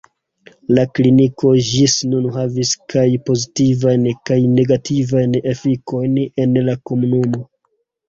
La kliniko ĝis nun havis kaj pozitivajn kaj negativajn efikojn en la komunumo.